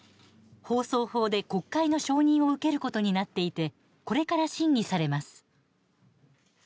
放送法で国会の承認を受けることになっていてこれから審議されます。